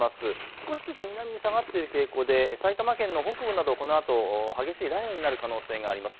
少しずつ南に下がっている傾向で埼玉県の北部などこのあと激しい雷雨になる可能性があります。